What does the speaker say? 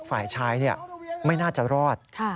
ฝ่ายชายไม่น่าจะรอด